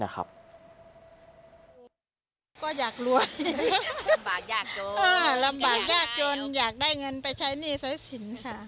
ก็อยากรวยลำบากยากจนอยากได้เงินไปใช้หนี้สายสินค่ะ